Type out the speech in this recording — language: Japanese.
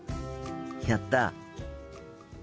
やった！